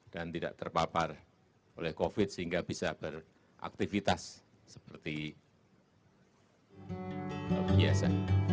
dan tidak terpapar oleh covid sehingga bisa beraktivitas seperti biasa